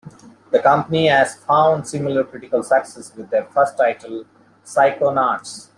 The company has found similar critical success with their first title, "Psychonauts".